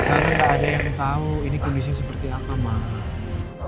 saya gak ada yang tau ini kondisi seperti apa ma